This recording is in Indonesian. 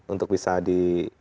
untuk bisa di